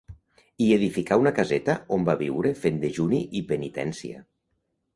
Hi edificà una caseta on va viure fent dejuni i penitència.